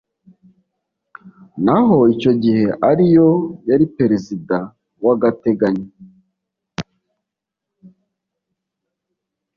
naho icyo gihe ariyo yari Perezida w’agateganyo